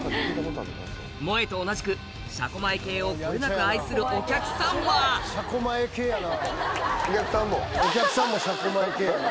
もえと同じく車庫前系をこよなく愛するお客さんは車庫前系やな。